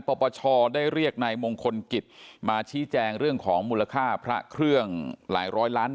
ปปชได้เรียกนายมงคลกิจมาชี้แจงเรื่องของมูลค่าพระเครื่องหลายร้อยล้าน